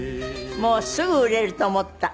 もうすぐ売れると思った。